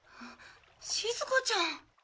しずかちゃん。